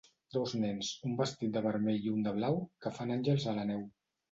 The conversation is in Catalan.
Dos nens, un vestit de vermell i un de blau, que fan àngels a la neu.